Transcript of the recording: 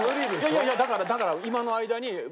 いやいやだから今の間に。